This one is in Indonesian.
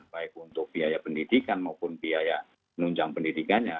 baik untuk biaya pendidikan maupun biaya penunjang pendidikannya